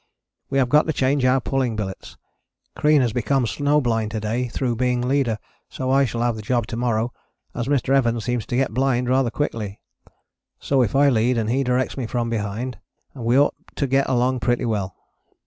We have got to change our pulling billets. Crean has become snow blind to day through being leader, so I shall have the job to morrow, as Mr. Evans seems to get blind rather quickly, so if I lead and he directs me from behind we ought to get along pretty well.